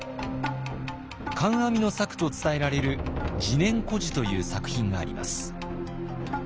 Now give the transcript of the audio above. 観阿弥の作と伝えられる「自然居士」という作品があります。